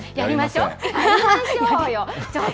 やりましょうよ。